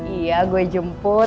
iya gue jemput